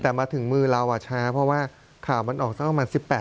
แต่มาถึงมือเราช้าเพราะว่าข่าวมันออกสักประมาณ๑๘